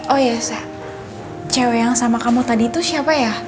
oh iya saya cewek yang sama kamu tadi itu siapa ya